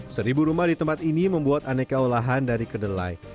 seribu rumah di tempat ini membuat aneka olahan dari kedelai